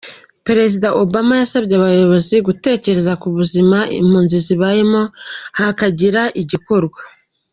Perezida Obama yasabye abayobozi gutekereza ku buzima impunzi zibayemo hakagira igikorwa.